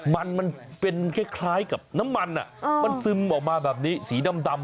มันมันเป็นคล้ายกับน้ำมันมันซึมออกมาแบบนี้สีดำ